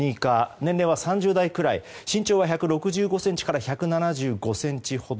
年齢は３０代くらい身長は１６５ｍｃから１７５ｃｍほど。